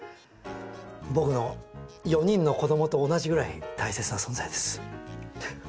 僕の４人の子どもと同じぐらい大切な存在です。